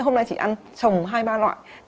hôm nay chị ăn trồng hai ba loại